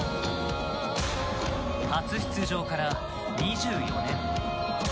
初出場から２４年。